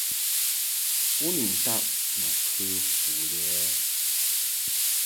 U ni taʼ ma kə fu lɛ ɛ ?